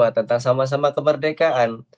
tentang sama sama kemerdekaan